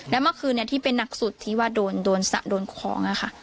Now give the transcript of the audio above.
แล้วเมื่อคืนที่เป็นนักสุดที่ว่าโดนสระโดนของค่ะ